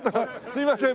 すいません